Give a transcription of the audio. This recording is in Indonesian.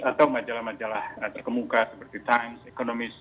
atau majalah majalah terkemuka seperti times economy